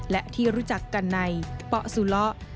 และที่รู้จักกันในป๊ะสุเลาะ